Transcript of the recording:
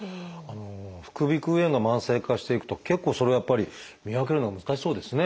副鼻腔炎が慢性化していくと結構それやっぱり見分けるのが難しそうですね。